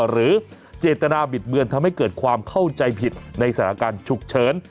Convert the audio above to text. หรือเจตนาบิดเบือนทำให้เกิดความเข้าใจผิดในสถานการณ์ฉุกเฉิน